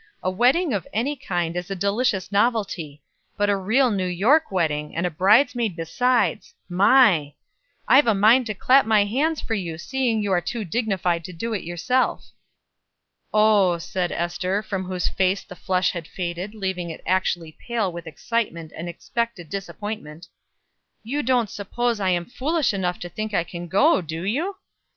A wedding of any kind is a delicious novelty; but a real New York wedding, and a bridesmaid besides my! I've a mind to clap my hands for you, seeing you are too dignified to do it yourself." "Oh," said Ester, from whose face the flush had faded, leaving it actually pale with excitement and expected disappointment, "you don't suppose I am foolish enough to think I can go, do you?"